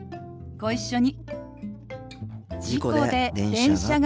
ご一緒に。